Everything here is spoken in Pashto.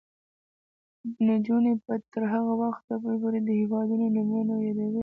نجونې به تر هغه وخته پورې د هیوادونو نومونه یادوي.